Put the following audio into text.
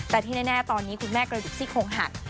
แต่ที่แน่ตอนนี้คุณแม่กระดูกซี่โครงหัก